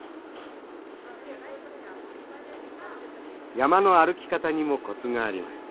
山の歩き方にもコツがあります。